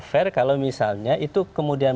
fair kalau misalnya itu kemudian